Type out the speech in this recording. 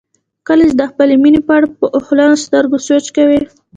کله چې د خپلې مینې په اړه په اوښلنو سترګو سوچ کوئ.